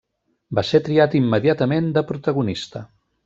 Va ser triat immediatament de protagonista.